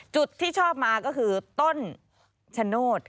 ที่ชอบมาก็คือต้นชะโนธ